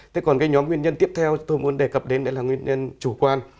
thế còn cái nhóm nguyên nhân tiếp theo tôi muốn đề cập đến đấy là nguyên nhân chủ quan